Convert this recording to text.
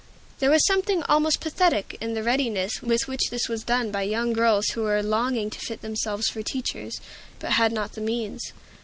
There was something almost pathetic in the readiness with which this was done by young girls who were longing to fit themselves for teachers, but had not the means.